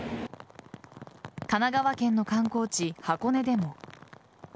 神奈川県の観光地・箱根でも。